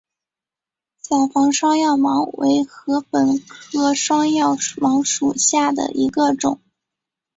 伞房双药芒为禾本科双药芒属下的一个种。